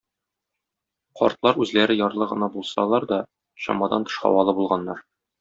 Картлар үзләре ярлы гына булсалар да чамадан тыш һавалы булганнар.